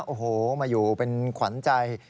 โอ้โหมาอยู่เป็นขวัญใจ